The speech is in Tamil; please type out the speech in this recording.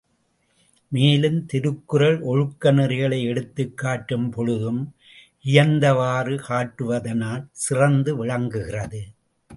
மேலும், திருக்குறள் ஒழுக்க நெறிகளை எடுத்துக்காட்டும் பொழுதும் இயைந்தவாறு காட்டுவதானால், சிறந்து விளங்குகிறது.